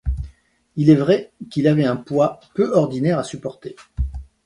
Il est vrai qu'ils avaient un poids peu ordinaire à supporter.